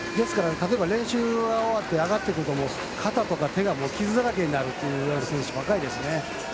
例えば、練習を終わって上がってきたら肩とか手が傷だらけになるという選手ばかりです。